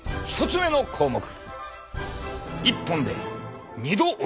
１つ目の項目。